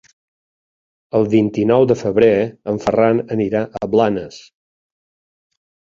El vint-i-nou de febrer en Ferran anirà a Blanes.